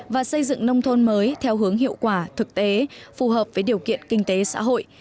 và xây dựng nông thôn mới theo hướng hiệu quả thực tế phù hợp với điều kiện kinh tế xã hội